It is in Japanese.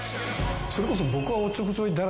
それこそ。